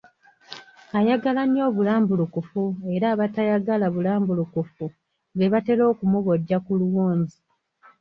Ayagala nnyo obulambulukufu era abataagala bulambulukufu be batera okumubojja ku luwonzi.